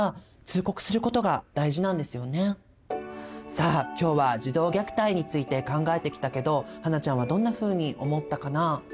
さあ今日は「児童虐待」について考えてきたけど英ちゃんはどんなふうに思ったかな？